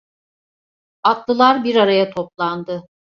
Atlılar bir araya toplandı.